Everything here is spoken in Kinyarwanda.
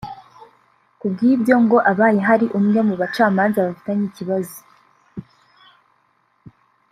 Ku bw’ibyo ngo abaye hari umwe mu bacamanza bafitanye ikibazo